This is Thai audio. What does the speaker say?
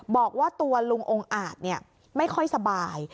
บอกว่าตัวลุงองอาจเนี่ยไม่ค่อยสบาย